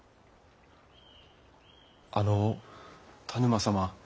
あの田沼様